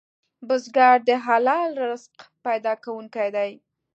بزګر د حلال رزق پیدا کوونکی دی